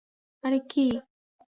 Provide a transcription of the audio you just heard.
আরে, কী?